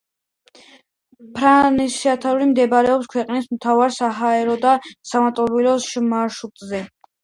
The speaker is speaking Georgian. ფრანსისთაუნი მდებარეობს ქვეყნის მთავარ საჰაერო და საავტომობილო მარშრუტზე.